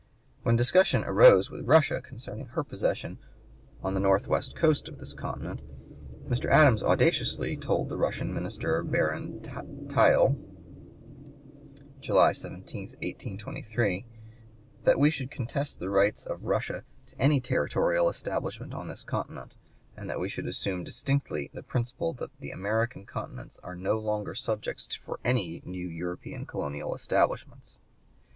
When discussion arose with Russia concerning her (p. 131) possessions on the northwest coast of this continent, Mr. Adams audaciously told the Russian minister, Baron Tuyl, July 17, 1823, "that we should contest the rights of Russia to any territorial establishment on this continent, and that we should assume distinctly the principle that the American continents are no longer subjects for any new European colonial establishments."